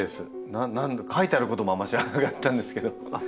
書いてあることもあんまり知らなかったんですけど。